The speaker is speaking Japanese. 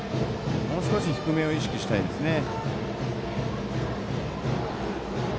もう少し低めを意識したいですね。